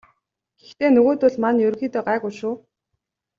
Гэхдээ нөгөөдүүл маань ерөнхийдөө гайгүй шүү.